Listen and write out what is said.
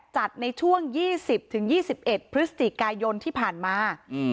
จัดในช่วง๒๐๒๑พฤศจิกายนที่ผ่านมา